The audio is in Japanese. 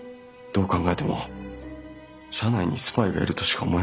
どう考えても社内にスパイがいるとしか思えません。